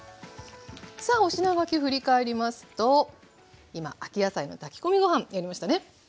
さあお品書き振り返りますと今秋野菜の炊き込みご飯やりましたね。